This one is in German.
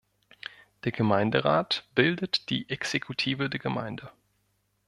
Der "Gemeinderat" bildet die Exekutive der Gemeinde.